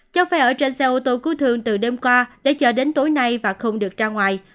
cháu phải ở trên xe ô tô cứu thương từ đêm qua để cho đến tối nay và không được ra ngoài